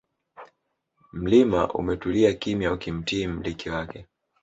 Mlima umetulia kimya ukimtii mmiliki wake